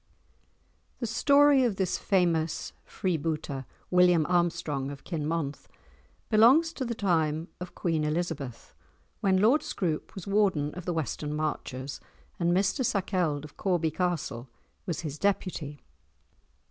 The story of this famous freebooter, William Armstrong of Kinmonth, belongs to the time of Queen Elizabeth, when Lord Scroope was Warden of the Western Marches, and Mr Sakelde of Corby Castle was his Deputy.